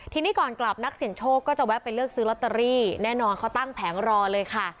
ทีนี้ก่อนกลับนักเสี่ยงโชคก็จะแวะไปเลือกซื้อลอตเตอรี่แน่นอนเขาตั้งแผงรอเลยค่ะ